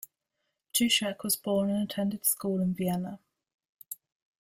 Touschek was born and attended school in Vienna.